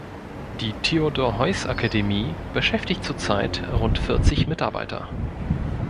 Die Theodor-Heuss-Akademie beschäftigt zurzeit rund vierzig Mitarbeiter.